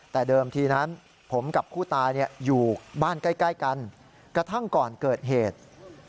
แต่เดิมทีนั้นผมกับผู้ตายอยู่บ้านใกล้กันกระทั่งก่อนเกิดเหตุ